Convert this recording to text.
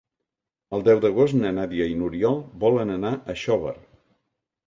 El deu d'agost na Nàdia i n'Oriol volen anar a Xóvar.